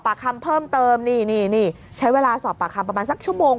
คำเพิ่มเติมนี่นี่ใช้เวลาสอบปากคำประมาณสักชั่วโมง